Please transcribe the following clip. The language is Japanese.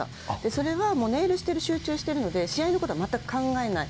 それはネイルしてる、集中しているので、試合のことは全く考えない。